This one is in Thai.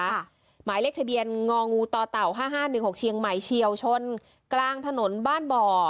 ค่ะหมายเลขทะเบียนงองูต่อเต่าห้าห้านหนึ่งหกเชียงใหม่เชียวชนกลางถนนบ้านบ่อ